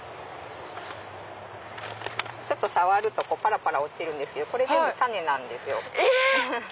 触るとパラパラ落ちるんですけどこれ全部種なんですよ。え！